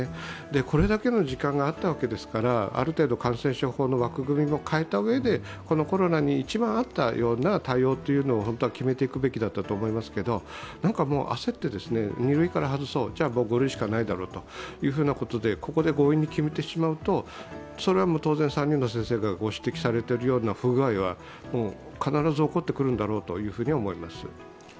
これだけの時間があったわけですから、ある程度、感染症法上の枠組みも変えたうえでこのコロナに一番あったような対応っていうのを本当は決めていくべきだったと思いますけど焦って、２類から外そう、じゃ５類しかないだろうとここで強引に決めてしまうと、それは当然３人の先生がご指摘されているような不具合は必ず起こってくるんだろうと思います。